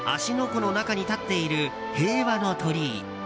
湖の中に立っている平和の鳥居。